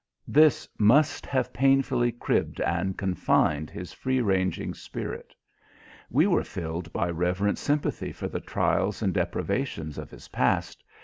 This must have painfully cribbed and confined his free ranging spirit. We were filled by reverent sympathy for the trials and deprivations of his past.